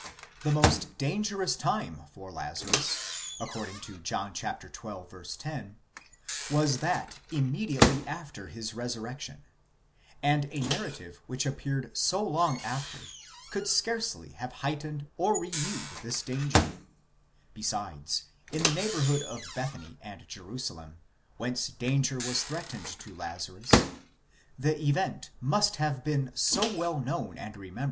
The most dangerous time for Lazarus according to John xii. 10, was that immediately after his resurrection, and a narrative which appeared so long after, could scarcely have heightened or renewed this danger ; besides, in the neighbourhood of Bethany and Jerusalem whence danger was threatened to Lazarus, the event must have been so well known and remembered that nothing was to be risked by its publication.